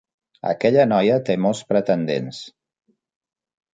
Aquella noia té molts pretendents.